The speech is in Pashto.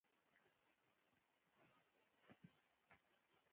بامیان د افغانستان د اوږدمهاله پایښت لپاره خورا مهم رول لري.